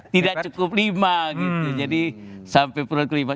tidak cukup lima gitu jadi sampai produk lima